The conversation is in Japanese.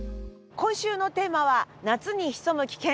今週のテーマは夏に潜む危険。